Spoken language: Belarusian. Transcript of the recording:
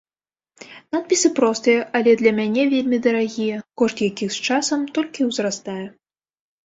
Надпісы простыя, але для мяне вельмі дарагія, кошт якіх з часам толькі ўзрастае.